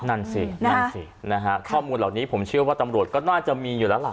นั่นสินั่นสินะฮะข้อมูลเหล่านี้ผมเชื่อว่าตำรวจก็น่าจะมีอยู่แล้วล่ะ